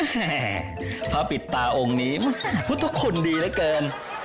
พระปิดตาองค์นี้พุทธคุณดีเหลือเกิน